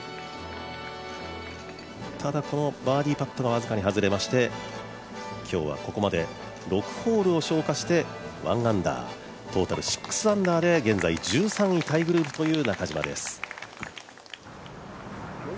ただこのバーディーパットが僅かに外れまして今日はここまで６ホールを消化して１アンダートータル６アンダーで現在１３位タイグループという中島です。